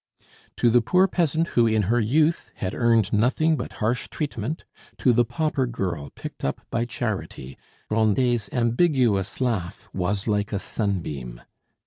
To the poor peasant who in her youth had earned nothing but harsh treatment, to the pauper girl picked up by charity, Grandet's ambiguous laugh was like a sunbeam.